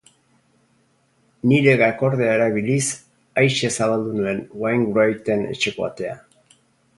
Nire gakordea erabiliz, aise zabaldu nuen Wainwrighten etxeko atea.